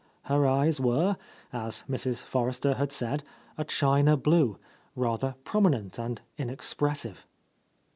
Her eyes were, as Mrs. Forrester had said, a china blue, rather prominent and inexpressive.